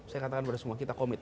saya katakan pada semua kita komit